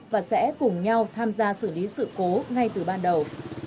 và sẽ cùng nhau tham gia xử lý sự cố ngay từ ban đầu